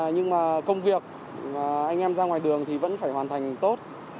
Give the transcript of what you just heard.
nhưng mà công việc anh em ra ngoài đường thì vẫn phải hoàn thành tốt